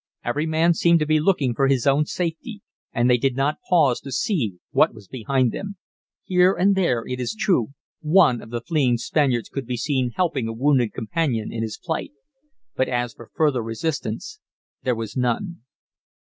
Every man seemed to be looking for his own safety, and they did not pause to see what was behind them. Here and there, it is true, one of the fleeing Spaniards could be seen helping a wounded companion in his flight. But as for further resistance, there was none.